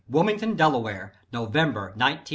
WILMINGTON, DELAWARE November, 1910 E.